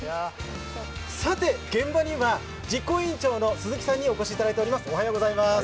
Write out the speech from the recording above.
さて、現場には実行委員長の鈴木さんにお越しいただいてます。